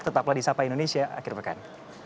tetaplah di sapa indonesia akhir pekan